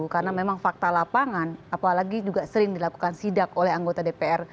karena memang fakta lapangan apalagi juga sering dilakukan sidak oleh anggota dpr